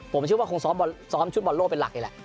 ผมเชื่อว่าคงซ้อมชุดบอลโลกเป็นหลักเลยแหละ